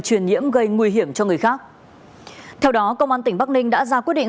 truyền nhiễm gây nguy hiểm cho người khác theo đó công an tỉnh bắc ninh đã ra quyết định